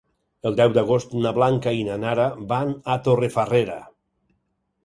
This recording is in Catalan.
El deu d'agost na Blanca i na Nara van a Torrefarrera.